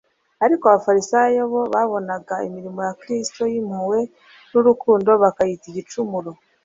ariko abafarisayo bo, babonaga imirimo ya Kristo y'impuhwe n'urukundo, bakayita igicumuro.